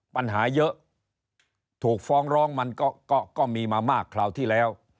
ปัญหาเยอะถูกฟ้องร้องมันก็มีมามากคราวที่แล้ว